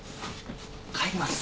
帰ります。